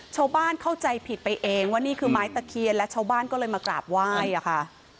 เข้าใจผิดไปเองว่านี่คือไม้ตะเคียนและชาวบ้านก็เลยมากราบไหว้อะค่ะ